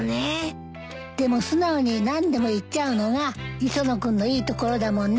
でも素直に何でも言っちゃうのが磯野君のいいところだものね。